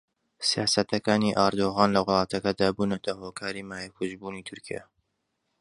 سیاسەتەکانی ئەردۆغان لە وڵاتەکەدا بوونەتە هۆکاری مایەپووچبوونی تورکیا